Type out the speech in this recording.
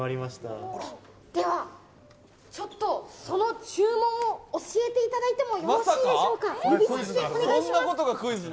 では、ちょっとその注文を教えていただいてもよろしいでしょうか。